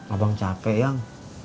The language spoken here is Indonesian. abang cakek yang